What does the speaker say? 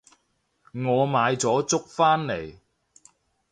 我買咗粥返嚟